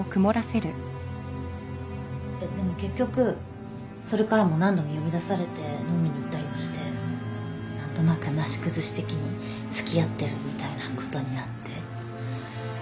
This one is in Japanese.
でも結局それからも何度も呼び出されて飲みに行ったりもして何となくなし崩し的に付き合ってるみたいなことになって。